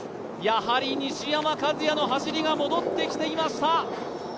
やはり西山和弥の走りが戻ってきていました。